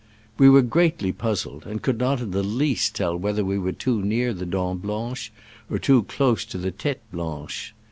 We were greatly puzzled, and could not in the least tell whether we were too near the Dent Blanche or too close to the Tete Blanche.